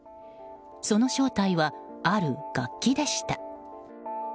その正体は、ある楽器でした。